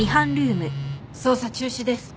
捜査中止です。